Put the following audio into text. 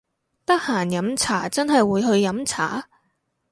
得閒飲茶真係會去飲茶！？